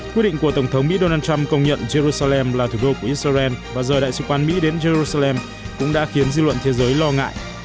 quyết định của tổng thống mỹ donald trump công nhận jerusalem là thủ đô của israel và rời đại sứ quán mỹ đến jerusalem cũng đã khiến dư luận thế giới lo ngại